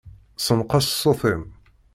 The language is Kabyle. Senqeṣ ṣṣut-im.